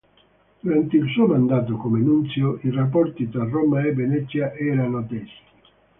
Durante il suo mandato come nunzio, i rapporti tra Roma e Venezia erano tesi.